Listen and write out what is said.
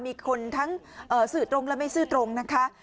มีคนทั้งสื่อตรงและไม่ซื่อตรงนะคะ